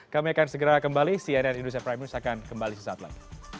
kami akan segera kembali cnn indonesia prime news akan kembali sesaat lagi